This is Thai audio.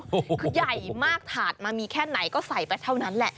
คือใหญ่มากถาดมามีแค่ไหนก็ใส่ไปเท่านั้นแหละ